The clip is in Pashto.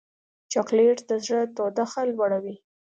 چاکلېټ د زړه تودوخه لوړوي.